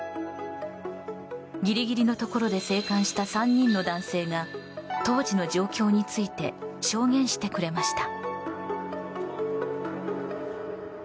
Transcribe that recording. ギリギリのところで生還した３人の男性が当時の状況について証言してくれました。